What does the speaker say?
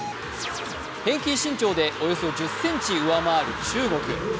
平均身長でおよそ１０ｃｍ上回る中国。